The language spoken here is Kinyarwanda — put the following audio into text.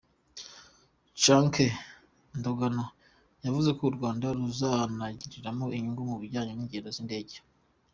Chance Ndagano, yavuze ko u Rwanda ruzanagiriramo inyungu mu bijyanye n’ingendo z’indege.